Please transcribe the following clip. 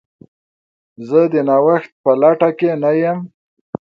زه د نوښت په لټه کې نه یم.